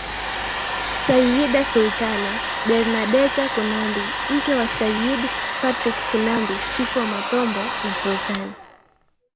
Sayyida Sultana Bernadeta Kunambi mke wa Sayyid Patrick Kunambi Chifu wa matombo na Sultan